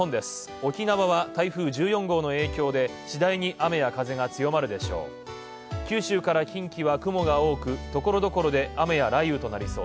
沖縄は台風１４号の影響で次第に雨や風が強まるでしょう。